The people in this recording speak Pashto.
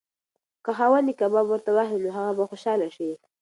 که خاوند یې کباب ورته واخلي نو هغه به خوشحاله شي.